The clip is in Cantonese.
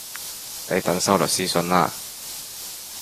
你等收律師信啦